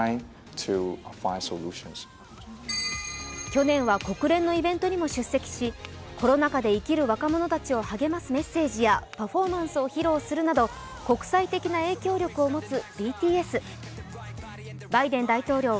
去年は国連のイベントにも出席し、コロナ禍で生きる若者たちを励ますメッセージやパフォーマンスを披露するなど国際的な影響力を持つＢＴＳ。